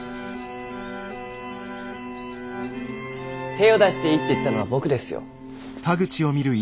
手を出していいって言ったのは僕ですよ。